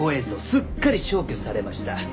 すっかり消去されました。